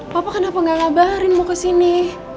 papa kenapa gak ngabarin mau kesini